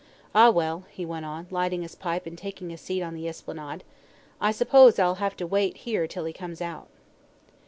Ah, well," he went on, lighting his pipe and taking a seat on the Esplanade, "I suppose I'll have to wait here till he comes out."